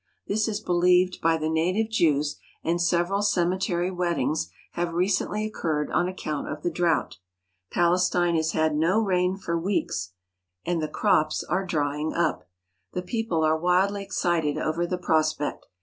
This is be lieved by the native Jews, and several cemetery weddings have recently occurred on account of the drought. Pal estine has had no rain for weeks and the crops are drying 82 THE EVIL EYE up. The people are wildly excited over the prospect.